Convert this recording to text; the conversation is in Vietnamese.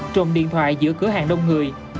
trồn điện thoại giữa cửa hàng đông người